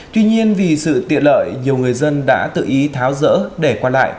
tuy nhiên vì sự tiện lợi nhiều người dân đã tự ý tháo rỡ để qua lại